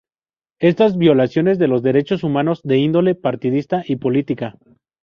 Estas violaciones de los derechos humanos de índole partidista y política.